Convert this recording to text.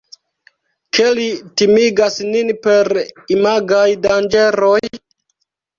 Ke li timigas nin per imagaj danĝeroj?